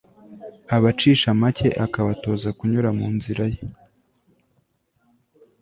abacisha make akabatoza kunyura mu nzira ye